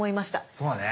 そうだね。